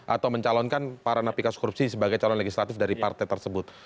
atau mencalonkan para napi kasus korupsi sebagai calon legislatif dari partai tersebut